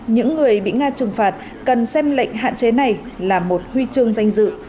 những người bị nga trừng phạt cần xem lệnh hạn chế này là một huy chương danh dự